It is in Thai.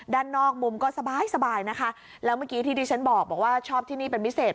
ด้านนอกมุมก็สบายสบายนะคะแล้วเมื่อกี้ที่ดิฉันบอกว่าชอบที่นี่เป็นพิเศษ